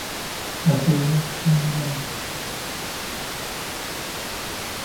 হাতে বর্শা নিলেন।